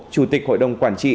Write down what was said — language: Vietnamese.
chủ tịch hội đồng quản trị